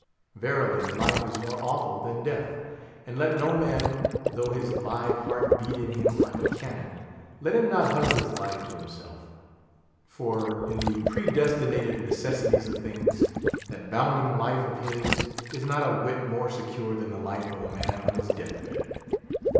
Verily, Life is more awful than Death; and let no man, though his live heart beat in him like a cannon—let him not hug his life to himself; for, in the predestinated necessities of things, that bounding life of his is not a whit more secure than the life of a man on his death bed.